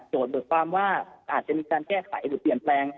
โจทย์บริษัทบอกว่าอาจจะมีการแก้ไขหรือเปลี่ยนแปลง